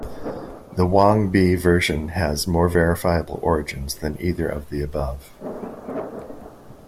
The "Wang Bi Version" has more verifiable origins than either of the above.